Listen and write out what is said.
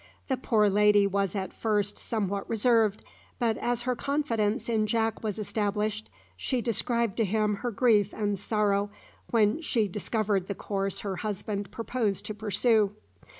The poor lady was at first somewhat reserved, but as her confidence in Jack was established, she described to him her grief and sorrow when she discovered the course her husband purposed to pursue.